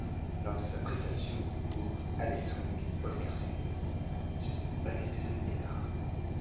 Lors de sa prestation au concours, Alex Swings Oscar Sings!